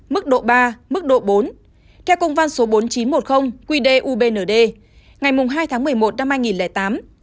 mức độ ba mức độ bốn theo công văn số bốn nghìn chín trăm một mươi quy đề ubnd ngày hai tháng một mươi một năm hai nghìn tám